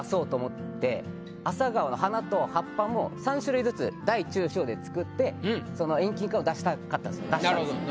アサガオの花と葉っぱを３種類ずつ大中小で作って遠近感を出したかった出したんですよ。